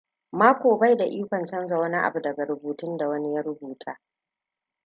Marco bai da ikon canza wani abu daga rubutun da wani ya rubuta.